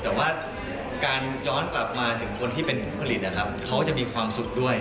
แต่ว่าการย้อนกลับมาถึงคนที่เป็นผู้ผลิตนะครับเขาจะมีความสุขด้วย